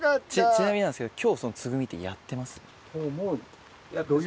ちなみになんですけど今日そのツグミってやってます？